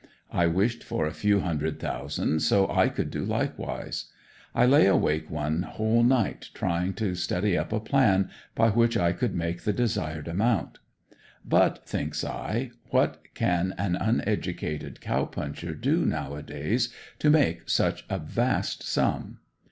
I wished for a few hundred thousand so I could do likewise; I lay awake one whole night trying to study up a plan by which I could make the desired amount. But, thinks I, what can an uneducated cow puncher do now a days to make such a vast sum?